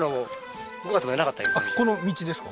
っこの道ですか？